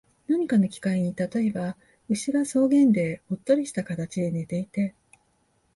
何かの機会に、例えば、牛が草原でおっとりした形で寝ていて、